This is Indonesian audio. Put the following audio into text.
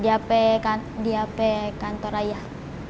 iya di hp kantor ayah